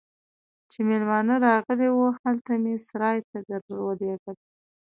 چې مېلمانه راغلي وو، هلته مې سرای ته درولږل.